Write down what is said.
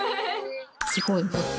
すごいね。